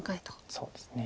そうですね。